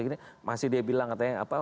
ini masih dia bilang katanya apa